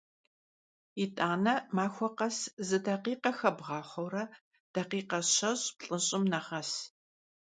ИтӀанэ махуэ къэс зы дакъикъэ хэбгъахъуэурэ, дакъикъэ щэщӀ-плӀыщӀым нэгъэс.